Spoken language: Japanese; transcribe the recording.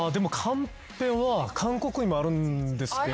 韓国にもあるんですけど。